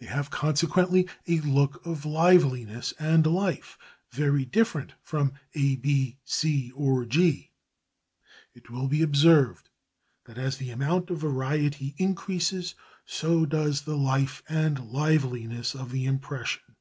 They have consequently a look of liveliness and life very different from A, B, C, or G. It will be observed that as the amount of variety increases so does the life and liveliness of the impression.